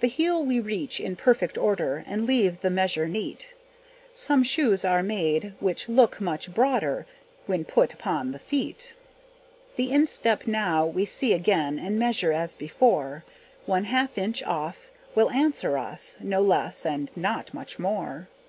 The heel we reach in perfect order, And leave the measure neat; Some shoes are made which look much broader When put upon the feet. The instep now we see again, And measure as before, One half inch off will answer us, No less, and not much more.